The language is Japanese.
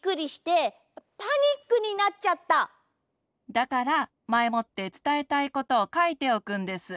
だからまえもってつたえたいことをかいておくんです。